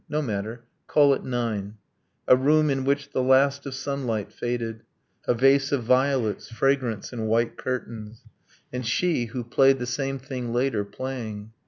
no matter call it nine A room in which the last of sunlight faded; A vase of violets, fragrance in white curtains; And, she who played the same thing later, playing.